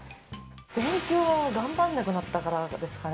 勉強を頑張らなくなったからですかね。